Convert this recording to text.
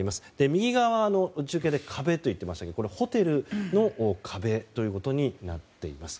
右側は中継で壁と言っていましたがホテルの壁ということになっています。